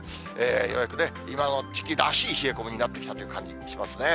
ようやくね、今の時期らしい、冷え込みになってきたという感じしますね。